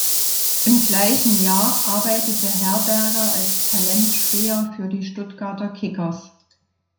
Im gleichen Jahr arbeitete Herberger als Talentspäher für die Stuttgarter Kickers.